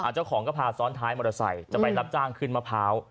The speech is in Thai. เจ้าของก็พาซ้อนท้ายมอเตอร์ไซค์จะไปรับจ้างขึ้นมะพร้าว